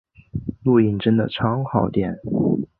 录影真的超耗电